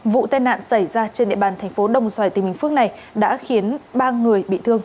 vụ tai nạn xảy ra trên địa bàn thành phố đồng xoài tỉnh bình phước này đã khiến ba người bị thương